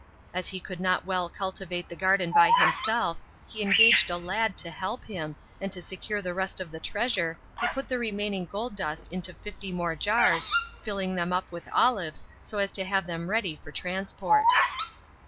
As he could not well cultivate the garden by himself, he engaged a lad to help him, and to secure the rest of the treasure he put the remaining gold dust into fifty more jars, filling them up with olives so as to have them ready for transport.